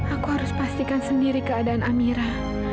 aku harus pastikan sendiri keadaan amira